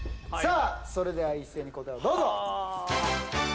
それでは一斉に答えをどうぞ。